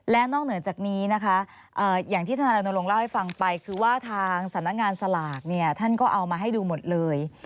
และนอกเหนือจากนี้นะคะอย่างที่ทนายรณรงค์เล่าให้ฟังไปคือว่าทางสำนักงานสลากเนี่ยท่านก็เอามาให้ดูหมดเลย